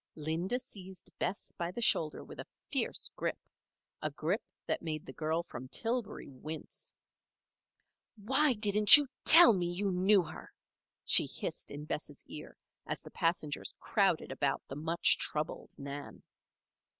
Linda seized Bess by the shoulder with a fierce grip a grip that made the girl from Tillbury wince. "Why didn't you tell me you knew her?" she hissed in Bess' ear as the passengers crowded about the much troubled Nan.